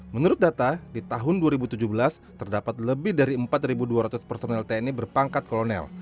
menurut data di tahun dua ribu tujuh belas terdapat lebih dari empat dua ratus personel tni berpangkat kolonel